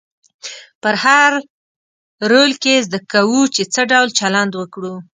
په هر رول کې زده کوو چې څه ډول چلند وکړو.